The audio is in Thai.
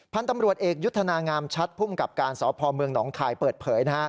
พันธมรวดเอกยุทธานามฉัดพุ่มกับการเศร้าพ่อเมืองหนองคายเปิดเผย